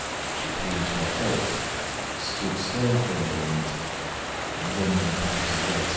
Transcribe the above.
She came to a halt, stood still for a moment, and then went back to Grete.